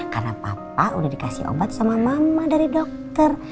karena papa udah dikasih obat sama mama dari dokter